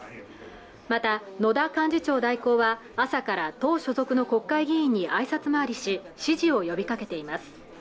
また野田幹事長代行は朝から党所属の国会議員に挨拶回りし支持を呼びかけています